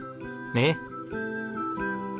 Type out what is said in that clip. ねえ。